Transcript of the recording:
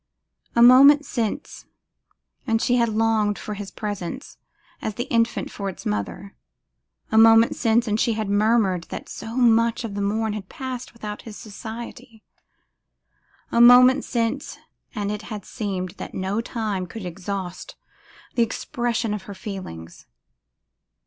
A moment since, and she had longed for his presence as the infant for its mother; a moment since, and she had murmured that so much of the morn had passed without his society; a moment since, and it had seemed that no time could exhaust the expression of her feelings.